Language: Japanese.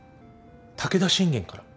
武田信玄から。